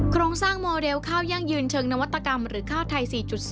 โครงสร้างโมเดลข้าวยั่งยืนเชิงนวัตกรรมหรือข้าวไทย๔๐